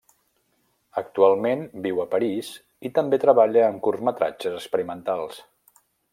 Actualment viu a París i també treballa en curtmetratges experimentals.